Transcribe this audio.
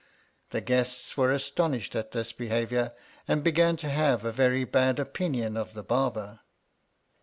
The guests were astonished at this behaviour, and began to have a very bad opinion of the Barber.